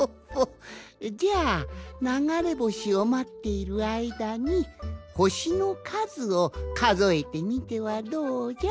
じゃあながれぼしをまっているあいだにほしのかずをかぞえてみてはどうじゃ？